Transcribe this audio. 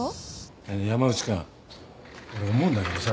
ねえねえ山内君俺思うんだけどさ。